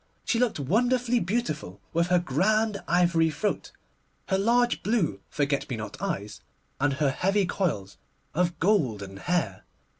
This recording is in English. She looked wonderfully beautiful with her grand ivory throat, her large blue forget me not eyes, and her heavy coils of golden hair.